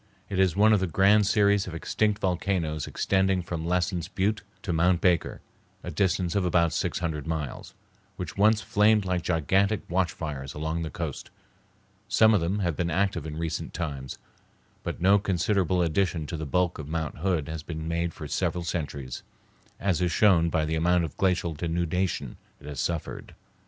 It is one of the grand series of extinct volcanoes extending from Lassen's Butte to Mount Baker, a distance of about six hundred miles, which once flamed like gigantic watch fires along the coast. Some of them have been active in recent times, but no considerable addition to the bulk of Mount Hood has been made for several centuries, as is shown by the amount of glacial denudation it has suffered.